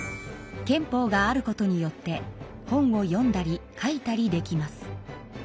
憲法があることによって本を読んだり書いたりできます。